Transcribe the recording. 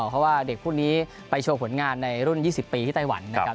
เพราะว่าเด็กคู่นี้ไปโชว์ผลงานในรุ่น๒๐ปีที่ไต้หวันนะครับ